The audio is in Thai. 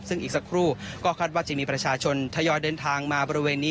ซึ่งอีกสักครู่ก็คาดว่าจะมีประชาชนทยอยเดินทางมาบริเวณนี้